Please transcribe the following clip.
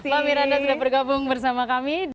terima kasih mbak miranda sudah bergabung bersama kami